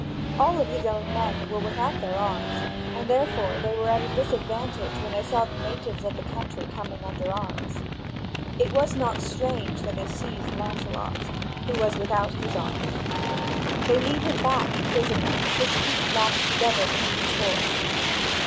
All of his own men were without their arms, and therefore they were at a disadvantage when they saw the natives of the country coming under arms. It was not strange that they seized Lancelot, who was without his arms. They lead him back prisoner, his feet lashed together beneath his horse.